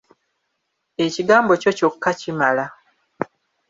Ekigambo kyo kyokka kimala.